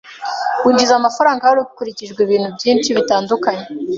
winjiza amafaranga hakurikijwe ibintu byinshi bitandukanye